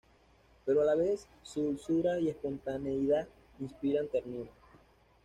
Pero a la vez, su dulzura y espontaneidad inspiran ternura.